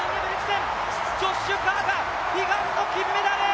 ジョッシュ・カーが悲願の金メダル！